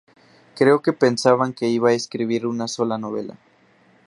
Creo que pensaban que iba a escribir una sola novela.